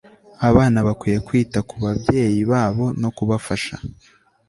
abana bakwiye kwita ku babyeyi babo no kubafasha